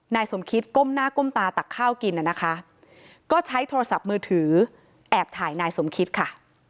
นายสมคิตก้มหน้าก้มตาตักข้าวกินน่ะนะคะก็ใช้โทรศัพท์มือถือแอบถ่ายนายสมคิดค่ะ